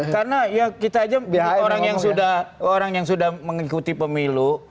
karena ya kita aja orang yang sudah mengikuti pemilu